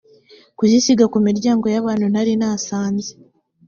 kuzisiga ku miryango y’ abantu ntari nasanze